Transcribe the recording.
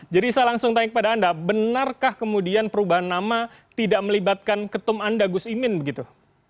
jadi saya langsung tanya kepada anda benarkah kemudian perubahan nama tidak melibatkan ketum anda gus imin begitu